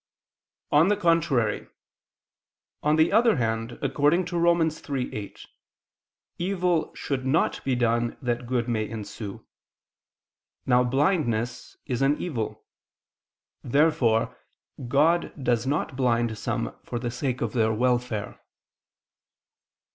Obj. 4: On the other hand, according to Rom. 3:8, evil should not be done, that good may ensue. Now blindness is an evil. Therefore God does not blind some for the sake of their welfare.